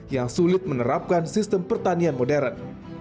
yang sulit menerapkan sistem pertanian modern